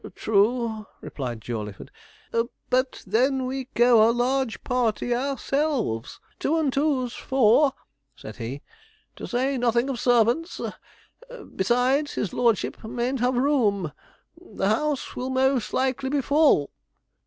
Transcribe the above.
'True,' replied Jawleyford; 'but then we go a large party ourselves two and two's four,' said he, 'to say nothing of servants; besides, his lordship mayn't have room house will most likely be full.'